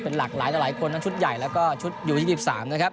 เป็นหลากหลายหลายคนทั้งชุดใหญ่แล้วก็ชุดอยู่ที่๒๓นะครับ